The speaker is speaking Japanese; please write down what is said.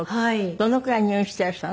どのくらい入院してらしたの？